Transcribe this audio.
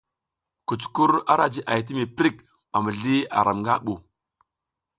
Kucukur ara jiʼay ti mi prik ba mizli aram nga ɓu.